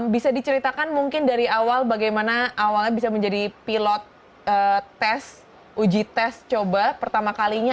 bisa diceritakan mungkin dari awal bagaimana awalnya bisa menjadi pilot uji tes coba pertama kalinya